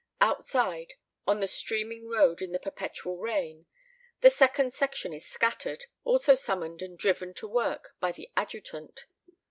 Outside, on the streaming road in the perpetual rain, the second section is scattered, also summoned and driven to work by the adjutant.